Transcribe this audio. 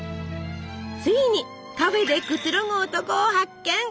ついにカフェでくつろぐ男を発見！